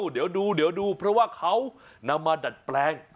เดี๋ยวดูเดี๋ยวดูเพราะว่าเขานำมาดัดแปลง